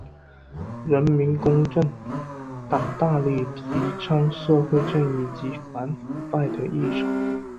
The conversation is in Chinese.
人民公正党大力提倡社会正义及反腐败的议程。